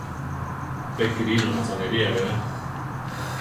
Pe Kírino acháneria berá.